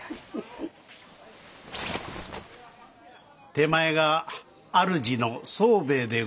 手前が主の宗兵衛でございます。